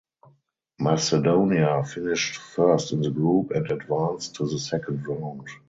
Macedonia finished first in the group and advanced to the second round.